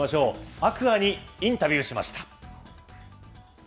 天空海にインタビューしました。